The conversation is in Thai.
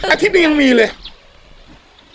อาทิตย์หนึ่งยังมีเลย